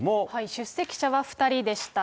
出席者は２人でした。